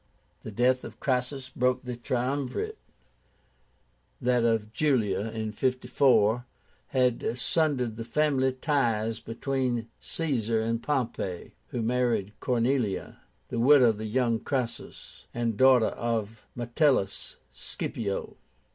The death of Crassus broke the Triumvirate; that of Julia, in 54, had sundered the family ties between Caesar and Pompey, who married Cornelia, the widow of the young Crassus, and daughter of Metellus Scipio.